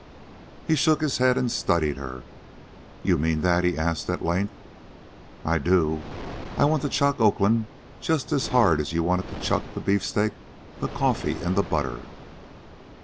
He shook his head and studied her. "You mean that?" he asked at length. "I do. I want to chuck Oakland just as hard as you wanted to chuck the beefsteak, the coffee, and the butter."